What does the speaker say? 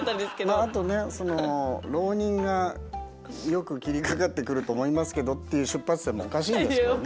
まああとね浪人がよく斬りかかってくると思いますけどっていう出発点もおかしいですけどね。